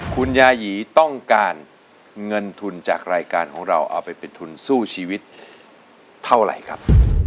คุณยายีต้องการเงินทุนจากรายการของเราเอาไปเป็นทุนสู้ชีวิตเท่าไหร่ครับ